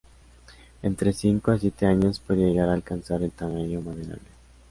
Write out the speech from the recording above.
Entre cinco a siete años puede llegar a alcanzar el tamaño maderable.